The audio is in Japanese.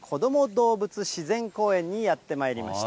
動物自然公園にやってまいりました。